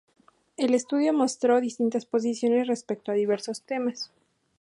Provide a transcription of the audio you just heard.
El estudio mostró distintas posiciones respecto a diversos temas.